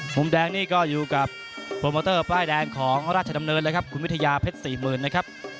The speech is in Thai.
มุมแดงนี่ก็อยู่กับโปรโมเตอร์ป้ายแดงของราชดำเนินเลยครับคุณวิทยาเพชร๔๐๐๐นะครับ